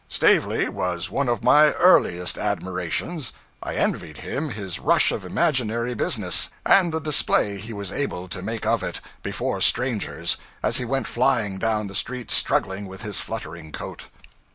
Stavely was one of my earliest admirations; I envied him his rush of imaginary business, and the display he was able to make of it, before strangers, as he went flying down the street struggling with his fluttering coat.